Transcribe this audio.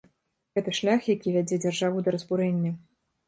Гэта шлях, які вядзе дзяржаву да разбурэння.